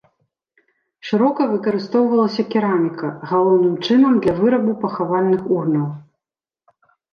Шырока выкарыстоўвалася кераміка, галоўным чынам для вырабу пахавальных урнаў.